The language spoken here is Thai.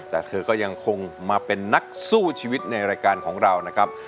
แต่เธอก็ยังคงมาเป็นนักสู้ชีวิตในรายการของเรานะครับ